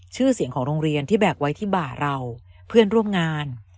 ชื่อเสียงของโรงเรียนที่แบกไว้ที่บ่าเราเพื่อนร่วมงาน